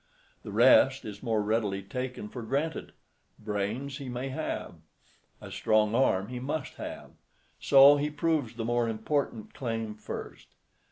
The rest is more readily taken for granted. Brains he may have—a strong arm he must have: so he proves the more important claim first.